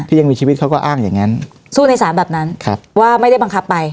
ยังมีชีวิตเขาก็อ้างอย่างงั้นสู้ในศาลแบบนั้นครับว่าไม่ได้บังคับไป